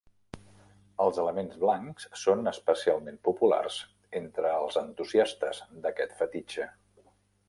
Els elements blancs són especialment populars entre els entusiastes d'aquest fetitxe.